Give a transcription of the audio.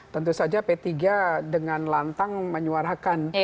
tentu saja p tiga dengan lantang menyuarakan